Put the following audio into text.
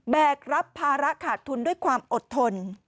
แกกรับภาระขาดทุนด้วยความอดทน